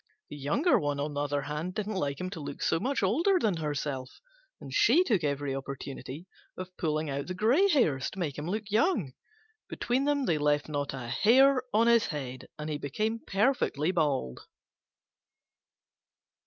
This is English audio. The younger, on the other hand, didn't like him to look so much older than herself, and took every opportunity of pulling out the grey hairs, to make him look young. Between them, they left not a hair in his head, and he became perfectly bald.